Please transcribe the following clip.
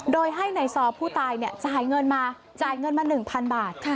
โดยให้นายซอร์ผู้ตายจ่ายเงินมา๑๐๐๐บาท